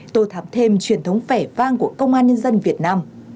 tôi thám thêm truyền thống phẻ vang của công an nhân dân việt nam